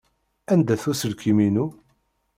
Anda-t uselkim-inu?